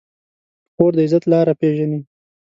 خور د عزت لاره پېژني.